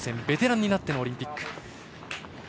ベテランになってのオリンピック。